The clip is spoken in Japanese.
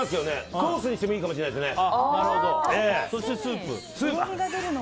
ソースにしてもいいかもしれないですね。